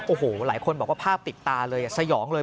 โอ้โหหลายคนบอกว่าภาพติดตาเลยสยองเลย